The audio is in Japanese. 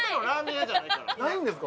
ないんですか？